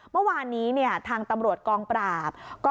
เมื่อวานนี้ทางตำรวจกองปราบ